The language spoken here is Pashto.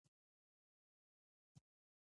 بیا چې کله یې نشه سر شول ویل یې دا ښه نه دي.